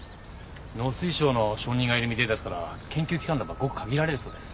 農水省の承認がいるみてえですから研究機関とかごく限られるそうです。